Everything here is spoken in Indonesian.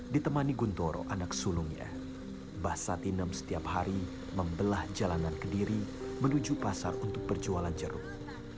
ditemani guntoro anak sulungnya mbah satinem setiap hari membelah jalanan kediri menuju pasar untuk perjualan jeruk